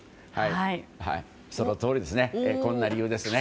そのとおりですね。